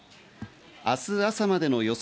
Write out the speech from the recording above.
明日朝までの予想